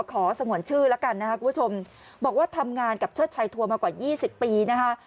สงวนชื่อแล้วกันนะครับคุณผู้ชมบอกว่าทำงานกับเชิดชัยทัวร์มากว่า๒๐ปีนะคะ